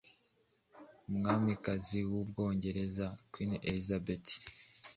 Umwamikazi w’u Bwongereza Queen Elizabeth